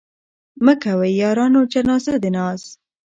مه کوئ يارانو جنازه د ناز